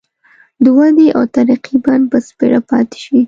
د ودې او ترقۍ بڼ به سپېره پاتي شي.